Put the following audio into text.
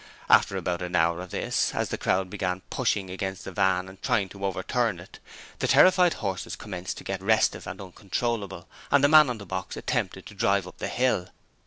After about an hour of this, as the crowd began pushing against the van and trying to overturn it, the terrified horses commenced to get restive and uncontrollable, and the man on the box attempted to drive up the hill.